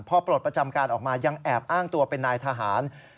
พอปลดประจำการออกมายังแอบอ้างตัวเป็นนายทหาร